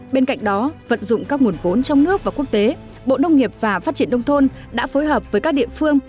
bên cạnh đó vận dụng các nguồn vốn trong nước và quốc tế bộ nông nghiệp và phát triển đông thôn đã phối hợp với các địa phương